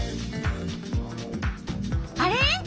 あれ？